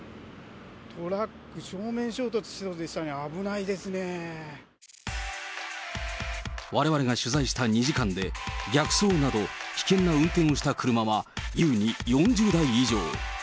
トラック、正面衝突しそうでしたね、われわれが取材した２時間で、逆走など危険な運転をした車は優に４０台以上。